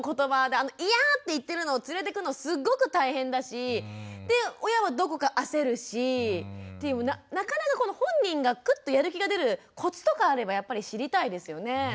であの「いや」って言ってるのを連れてくのすっごく大変だしで親はどこか焦るしなかなか本人がクッとやる気が出るコツとかあればやっぱり知りたいですよね。